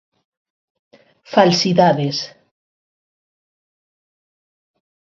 Falsidades.